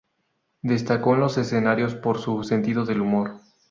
Destacó en los escenarios por su sentido del humor.